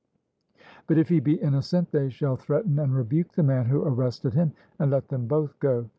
But if he be innocent, they shall threaten and rebuke the man who arrested him, and let them both go.